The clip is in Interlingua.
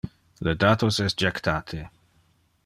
Le datos es jectate.